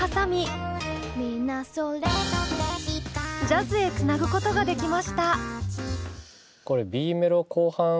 ジャズへつなぐことができました。